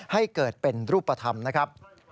ให้เกิดเป็นรูปธรรมนะครับ